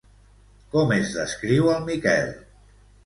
Com es descriu el Miquel?